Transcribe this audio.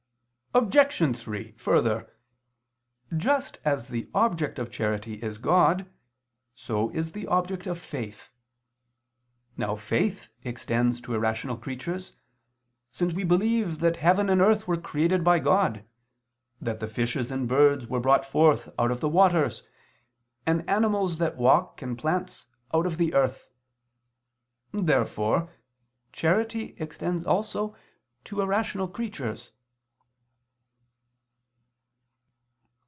Obj. 3: Further, just as the object of charity is God. so is the object of faith. Now faith extends to irrational creatures, since we believe that heaven and earth were created by God, that the fishes and birds were brought forth out of the waters, and animals that walk, and plants, out of the earth. Therefore charity extends also to irrational creatures.